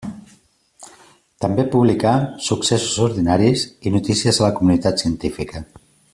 També publica successos ordinaris i notícies de la comunitat científica.